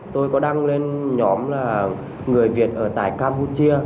tôi có đăng lên nhóm là người việt ở tại campuchia